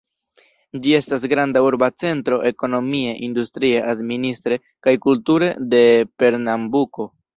Ĝi estas granda urba centro, ekonomie, industrie, administre kaj kulture, de Pernambuko.